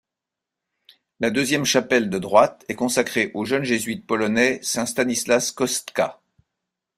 La deuxième chapelle de droite est consacrée au jeune jésuite polonais saint Stanislas Kostka.